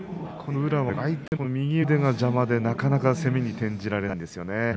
宇良は相手の右腕が邪魔でなかなか攻めに転じられないんですよね。